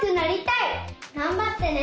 がんばってね！